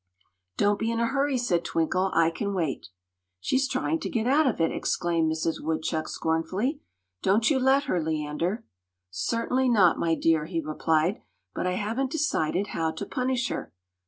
"Don't be in a hurry," said Twinkle. "I can wait." "She's trying to get out of it," exclaimed Mrs. Woodchuck, scornfully. "Don't you let her, Leander." "Certainly not, my dear," he replied; "but I haven't decided how to punish her."